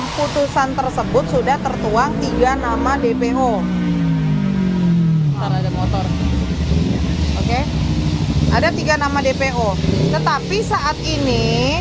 keputusan tersebut sudah tertuang tiga nama dpo terhadap motor oke ada tiga nama dpo tetapi saat ini